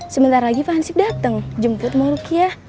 sebentar lagi fahansib dateng jemput mau rukiah